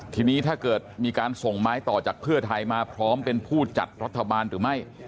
ทีนี้ถ้าเกิดมีการส่งไม้ต่อจากเพื่อไทยมาพร้อมเป็นผู้จัดรัฐบาลหรือไม่